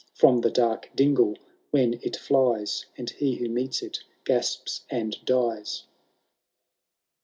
From the dark dingle when it flies, And he who meets it gasps and dies."